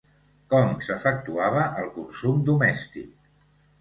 Com s'efectuava el consum domèstic?